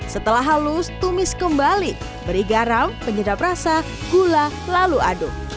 setelah halus tumis kembali beri garam penyedap rasa gula lalu aduk